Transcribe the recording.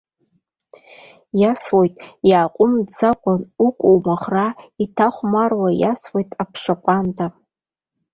Исуеит, иааҟәымҵӡакәа, укәа-умаӷра иҭахәмаруа исуеит аԥша ҟәанда.